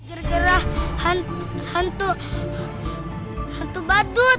gerah gerah hantu hantu hantu badut